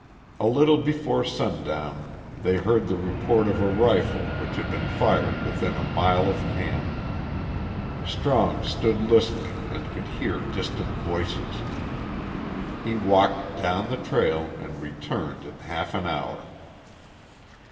A little before sundown they heard the report of a rifle which had been fired within a mile of camp. Strong stood listening and could hear distant voices. He walked down the trail and returned in half an hour.